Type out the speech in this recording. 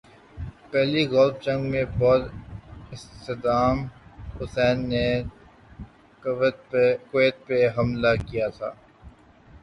پہلی گلف جنگ میں جب صدام حسین نے کویت پہ حملہ کیا تھا۔